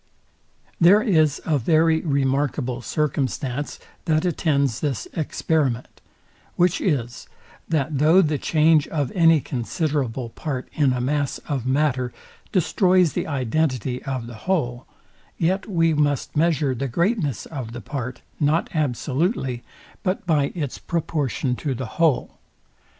There is a very remarkable circumstance, that attends this experiment; which is, that though the change of any considerable part in a mass of matter destroys the identity of the whole, let we must measure the greatness of the part, not absolutely, but by its proportion to the whole.